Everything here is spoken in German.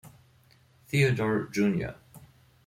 Theodore jr.